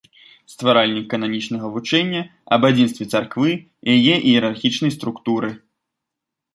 Стваральнік кананічнага вучэння аб адзінстве царквы і яе іерархічнай структуры.